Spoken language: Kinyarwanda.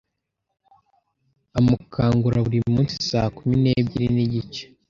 Amukangura buri munsi saa kumi n'ebyiri n'igice.